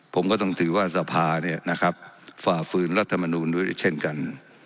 ผมก็ต้องถือว่าสภาเนี่ยนะครับฝ่าฝืนรัฐมนูลด้วยเช่นกัน